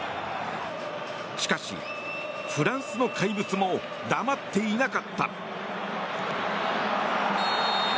しかし、フランスの怪物も黙っていなかった。